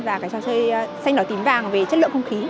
và cái trò chơi xanh đỏ tím vàng về chất lượng không khí